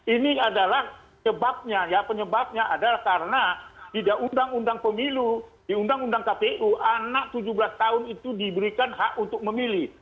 ini adalah penyebabnya adalah karena di undang undang pemilu di undang undang kpu anak tujuh belas tahun itu diberikan hak untuk memilih